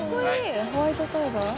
ホワイトタイガー？